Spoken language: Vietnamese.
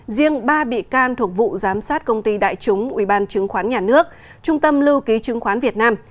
riêng ba bị can thuộc vụ giám sát công ty đại chúng ubnd trung tâm lưu ký chứng khoán việt nam